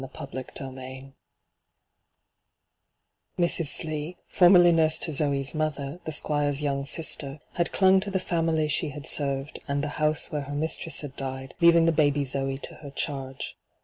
hyGoogIc CHAPTER II Mbs, Slsb, formerly nurse to Zoe's mother, the Squire's young Bister, had clung to the fiuuily she had served and the house where her mistress had died, leaving the baby Zoe to her charge.